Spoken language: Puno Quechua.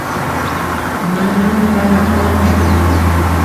Manan para kanchu